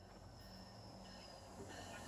其同名网站发布独立文章和杂志相关资讯。